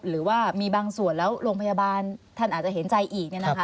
หรือว่ามีบางส่วนแล้วโรงพยาบาลท่านอาจจะเห็นใจอีก